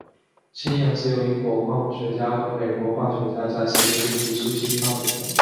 氢氧是由英国矿物学家和美国化学家在十九世纪初期发明的。